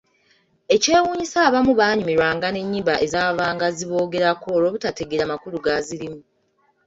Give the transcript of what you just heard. Ekyewuunyisa abamu baanyumirwanga n’ennyimba ezaabanga ziboogerako olwobutategeera makulu gazirimu.